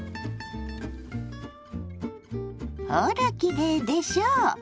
ほらきれいでしょ